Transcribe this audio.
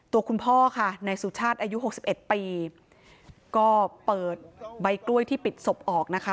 ตัวคุณพ่อค่ะนายสุชาติอายุหกสิบเอ็ดปีก็เปิดใบกล้วยที่ปิดศพออกนะคะ